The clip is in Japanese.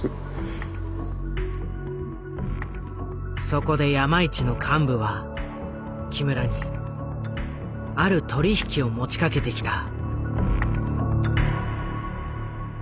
そこで山一の幹部は木村にある取り引きを持ちかけてきた。